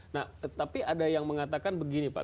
nah tapi ada yang mengatakan begini pak